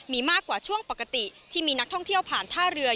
มีมากกว่าช่วงปกติที่มีนักท่องเที่ยวผ่านท่าเรือ